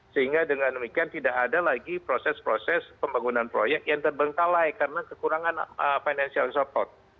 sehingga dengan demikian tidak ada lagi proses proses pembangunan proyek yang terbengkalai karena kekurangan financial resort